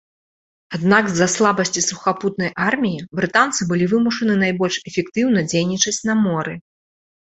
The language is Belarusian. Аднак з-за слабасці сухапутнай арміі брытанцы былі вымушаны найбольш эфектыўна дзейнічаць на моры.